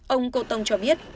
ông cotong cho biết